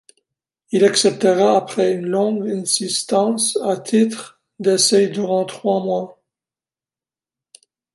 Il acceptera après une longue insistance à titre d'essai durant trois mois.